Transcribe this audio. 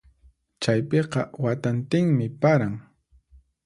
Chaypiqa watantinmi paran.